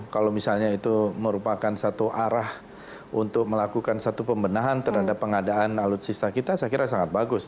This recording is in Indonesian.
kalau misalnya itu merupakan satu arah untuk melakukan satu pembenahan terhadap pengadaan alutsista kita saya kira sangat bagus